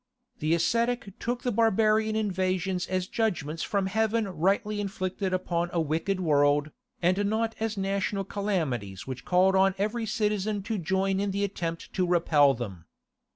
The ascetic took the barbarian invasions as judgments from heaven rightly inflicted upon a wicked world, and not as national calamities which called on every citizen to join in the attempt to repel them.